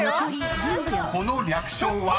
［この略称は？］